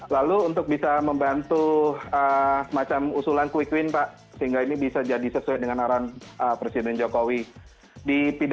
lalu untuk bisa membantu macam usulan quick win pak sehingga ini bisa jadi sesuai dengan arahan presiden jokowi